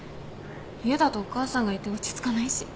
家だとお母さんがいて落ち着かないし。